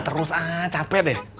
terus ah capek deh